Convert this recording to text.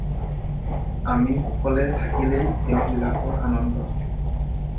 আমি কুশলে থাকিলেই তেওঁবিলাকৰ আনন্দ